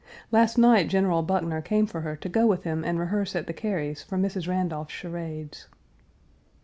Last night General Buckner came for her to go with him and rehearse at the Carys' for Mrs. Randolph's charades.